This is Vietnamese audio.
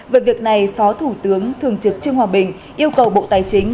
về việc này phó thủ tướng thường trực trương hòa bình yêu cầu bộ tài chính